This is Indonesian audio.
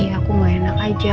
aku gak enak aja